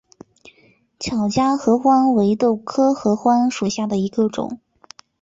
巧家合欢为豆科合欢属下的一个种。